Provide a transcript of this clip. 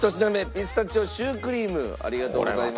ピスタチオシュークリームありがとうございます。